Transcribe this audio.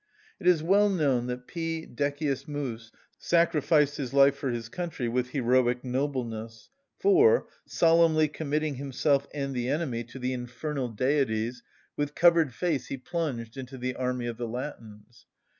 It is well known that P. Decius Mus sacrificed his life for his country with heroic nobleness; for, solemnly committing himself and the enemy to the infernal deities, with covered face he plunged into the army of the Latins.